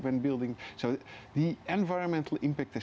penyelesaian tindakan lingkungan